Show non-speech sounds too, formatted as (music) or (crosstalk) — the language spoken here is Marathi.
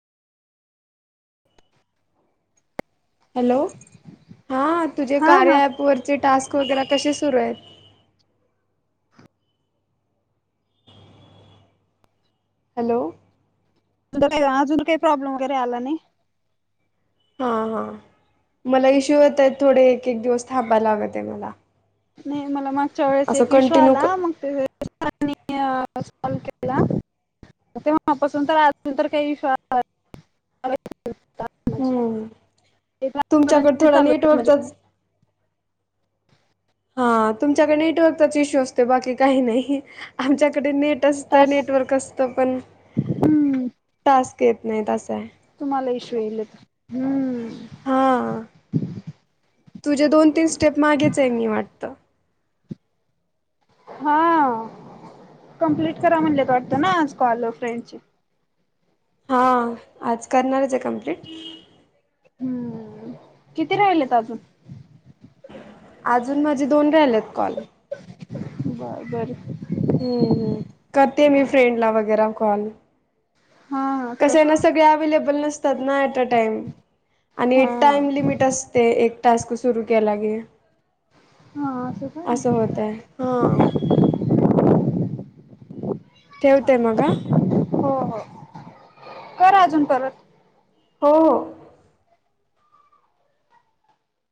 हॅलो, हा तुझे हा कार्य हा ॲप वरचे टास्क वगैरे कसे सुरू आहेत. हॅलो. का अजून काही प्रॉब्लेम वगैरे आला नाही. हा हा मला इश्यू यता आहेत थोडे एक एक दिवस थांबाय लागत आहे मला नाही मला मागच्या वेळेस असं एक विश्वा कंटिन्यू आला क मग ते केला. तेपसून तर आजून तर काही विश्वास हम्म तुमच्याकडे र् थोडा चालूज नेटवर्कचाच हा तुमच्याकडे नेटवर्कचा इश्यू असते बाकी काही नाही आमच्याकडे नेट. टास्क नटव अस पण हम्म येत. आहे तुम्हाला इश येईल तर हम्म. हां तुझे दोन तीन स्टेप मागेच आहे मी वाटत. हा. कंप्लीट करा म्हणले कातो ना आज कॉल फ्रेंडची हा आज करणारच आहे कम्प्लीट. हम्म किती राहिलेत अजून अजून माझे दोन राहिलेत कॉल ब बर. हम्मम् करते मी फ्रेंडला वगैरे कॉल हा हा सर कसं ना सगळे अवे्हेलेबल नस. अ टाम आणि हा टाइम लिमिट असते एक टास्क सुरू केलागे हा काय असं होत आहे हा. (unintelligible) ठेवतेय मग हो हो कर अजून परत हो हो.